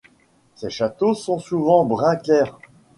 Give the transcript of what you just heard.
Ces chapeaux sont souvent brun clair.